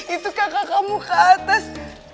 itu kakak kamu ke atas